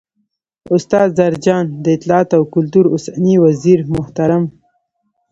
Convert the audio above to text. ، استاد زرجان، د اطلاعات او کلتور اوسنی وزیرمحترم